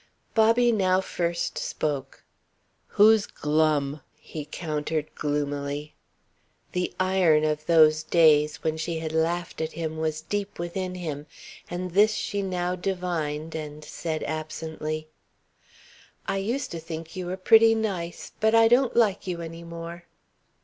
Bobby now first spoke: "Who's glum?" he countered gloomily. The iron of those days when she had laughed at him was deep within him, and this she now divined, and said absently: "I used to think you were pretty nice. But I don't like you any more."